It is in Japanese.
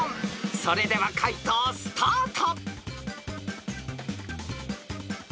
［それでは解答スタート］